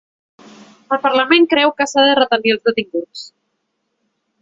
El parlament creu que s'ha de retenir els detinguts